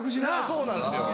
そうなんですよ